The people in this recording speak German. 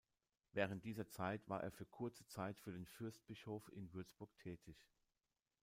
Während dieser Zeit war er für kurze Zeit für den Fürstbischof in Würzburg tätig.